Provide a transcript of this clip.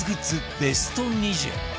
ベスト２０